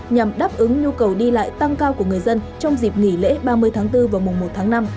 nhằm đáp ứng nhu cầu đi lại tăng cao của người dân trong dịp nghỉ lễ ba mươi tháng bốn và mùa một tháng năm